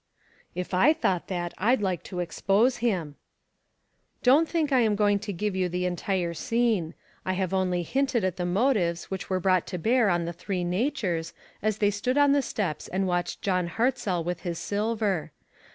"If I thought that, I'd like to expose him." Don't think I am going to give you the entire scene. I have only hinted at the ONE COMMONPLACE DAY. motives which were brought to bear on the three natures, as they stood on the steps and watched John Hartzell with his silver.